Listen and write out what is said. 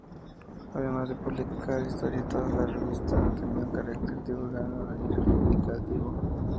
Además de publicar historietas, la revista tenía un carácter divulgativo y reivindicativo.